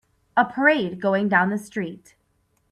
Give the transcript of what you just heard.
A parade going down the street.